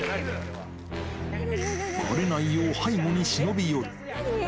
ばれないよう、背後に忍び寄る。